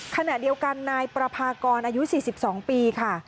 ขณะเดียวกันนายปราภากรอายุสี่สิบสองปีค่ะ